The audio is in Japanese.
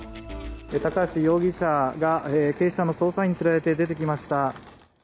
高橋容疑者が警視庁の捜査員に連れられて出てきました。